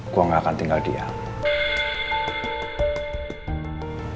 gue gak akan tinggal diam